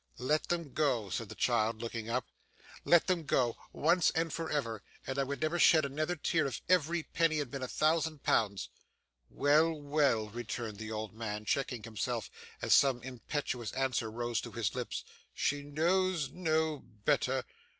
'Let them go,' said the child looking up. 'Let them go, once and for ever, and I would never shed another tear if every penny had been a thousand pounds.' 'Well, well,' returned the old man, checking himself as some impetuous answer rose to his lips, 'she knows no better.